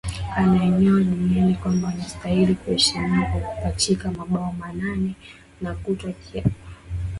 alionyesha dunia kwamba anastahili kuheshimiwa kwa kupachika mabao manane na kutwaa kiatu cha dhahabu